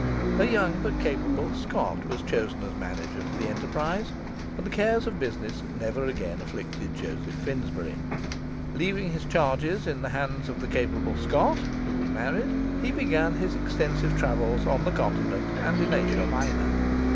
A young but capable Scot was chosen as manager to the enterprise, and the cares of business never again afflicted Joseph Finsbury. Leaving his charges in the hands of the capable Scot (who was married), he began his extensive travels on the Continent and in Asia Minor.